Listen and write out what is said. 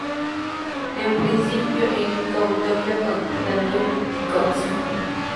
En principio en coautoría con Daniel Di Conza.